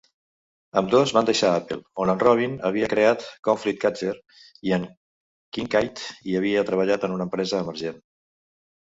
Ambdós van deixar Apple, on en Robbin havia creat Conflict Catcher i en Kincaid hi havia treballar en una empresa emergent.